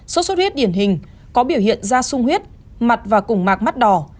sốt xuất huyết điển hình có biểu hiện da sung huyết mặt và củng mạc mắt đỏ